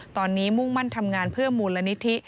ตอนนี้มุ่งมั่นทำงานเพื่อมูลนิธิ